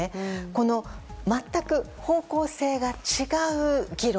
この全く方向性が違う議論